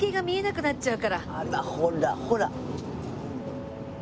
あらほらほら。